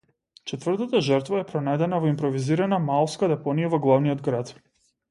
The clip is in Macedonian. Четвртата жртва е пронајдена во импровизирана маалска депонија во главниот град.